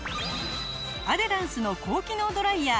アデランスの高機能ドライヤー